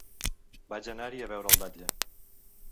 Vaig anar-hi a veure el batlle.